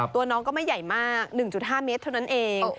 ตัวน้องก็ไม่ใหญ่มาก๑๕เมตรเท่านั้นเอง